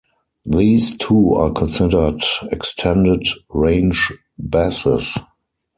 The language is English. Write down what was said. These too are considered extended-range basses.